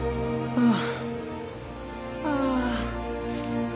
ああ。